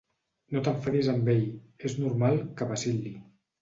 No t'enfadis amb ell: és normal, que vacil·li.